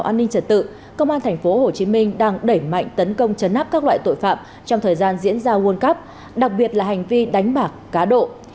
an ninh trật tự công an tp hcm đang đẩy mạnh tấn công chấn áp các loại tội phạm trong thời gian diễn ra world cup đặc biệt là hành vi đánh bạc cá độ